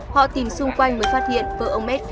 họ tìm xung quanh mới phát hiện vợ ông med